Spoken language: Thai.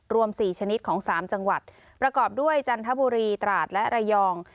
รวม๔ชนิดของ๓จังหวัดประกอบด้วยจันทบุรีตราดและระยอง